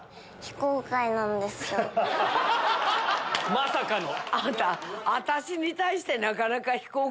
まさかの！